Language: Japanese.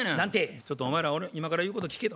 「ちょっとお前ら俺今から言うこと聞け」と。